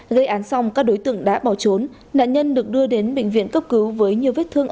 gây án xong các đối tượng đã bỏ trốn nạn nhân được đưa đến bệnh viện cấp cứu với nhiều vết thương